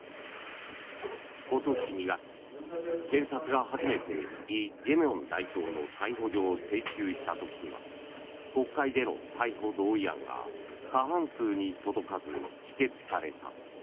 今年２月、検察が初めてイ・ジェミョン代表の逮捕状を請求した時には国会での逮捕同意案が過半数に届かず、否決された。